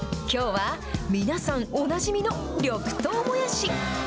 きょうは、皆さんおなじみの緑豆もやし。